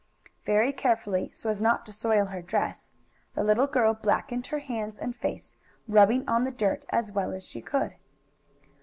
Very carefully, so as not to soil her dress, the little girl blackened her hands and face, rubbing on the dirt as well as she could.